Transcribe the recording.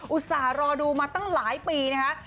อุตส่าห์รอดูมาตั้งหลายปีนะคะ